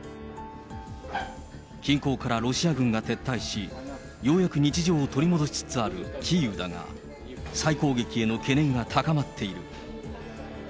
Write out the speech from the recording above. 近郊からロシア軍が撤退し、ようやく日常を取り戻しつつあるキーウだが、再攻撃への懸念が高まっている。